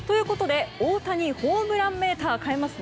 大谷ホームランメーターを変えます。